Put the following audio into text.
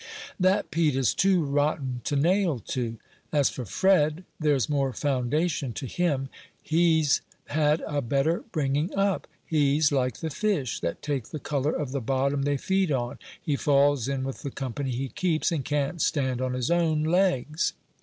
"That Pete is too rotten to nail to. As for Fred, there's more foundation to him; he's had a better bringing up; he's like the fish that take the color of the bottom they feed on; he falls in with the company he keeps, and can't stand on his own legs."